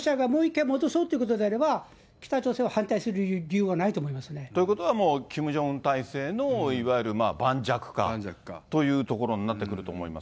ですからロシアがもう一回、戻そうということであれば、北朝鮮はということは、もうキム・ジョンウン体制のいわゆる盤石化というところになってくるかと思います。